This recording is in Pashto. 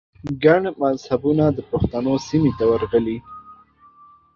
ګڼ مذهبونه د پښتنو سیمې ته ورغلي